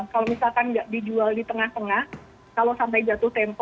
kalau misalkan nggak dijual di tengah tengah kalau sampai jatuh tempo